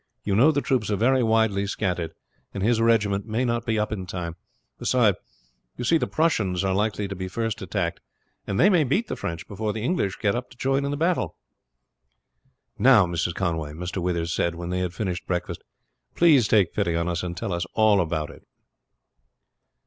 "You know the troops are very widely scattered, and his regiment may not be up in time; beside, you see, the Prussians are likely to be first attacked, and they may beat the French before the English get up to join in the battle." "Now, Mrs. Conway," Mr. Withers said when they had finished breakfast, "please take pity on us and tell us all about it."